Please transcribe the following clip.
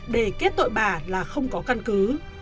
để kết tội bà là không có căn cứ